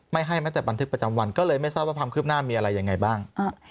ไม่ให้แม้แต่บันทึกประจำวันก็เลยไม่ทราบว่าความคืบหน้ามีอะไรยังไงบ้าง